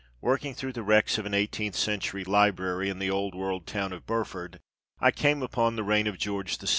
Work ing through the wrecks of an eighteenth century library in the old world town of Burford, I came on " The Reign of George VI.